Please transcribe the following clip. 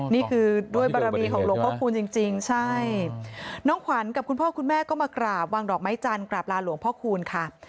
นี่คือด้วยบารมีของหลวงพ่อคูณจริงใช่น้องขวัญกับคุณพ่อคุณแม่ก็มากราบวางดอกไม้จันทร์กราบลาหลวงพ่อคูณค่ะ